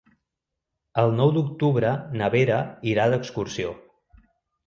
El nou d'octubre na Vera irà d'excursió.